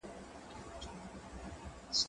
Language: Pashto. زه بايد انځورونه رسم کړم؟!